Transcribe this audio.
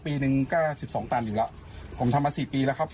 ปีนึงก็๑๒ตันอยู่แล้วผมทำมา๔ปีแล้วครับ